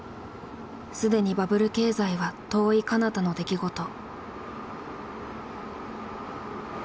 既にバブル経済は遠いかなたの出来事。